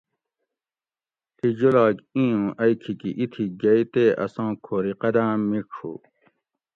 ڷی جولاگ اِیں اوں ائی کھیکی اِتھی گیئے تے اساں کھوری قداۤم مِیڄ ہو